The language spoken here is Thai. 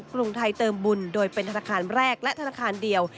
กรุงไทยเติมบุญโดยเป็นธนาคารแรกและธนาคารเดียว